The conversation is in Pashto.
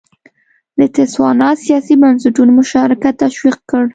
د تسوانا سیاسي بنسټونو مشارکت تشویق کړ.